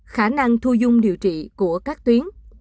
khả năng thu dung điều trị của các tuyến